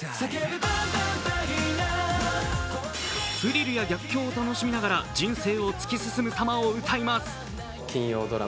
スリルや逆境を楽しみながら人生を突き進む様子を歌います。